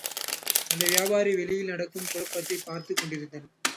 அந்த வியாபாரி, வெளியில் நடக்கும் குழப்பத்தைப் பார்த்துக் கொண்டிருந்தான்.